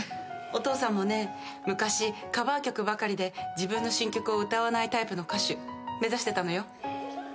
お父さんもね昔カバー曲ばかりで自分の新曲を歌わないタイプの歌手目指してたのよ。